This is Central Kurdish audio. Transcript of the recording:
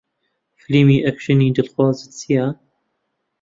فیلمی ئاکشنی دڵخوازت چییە؟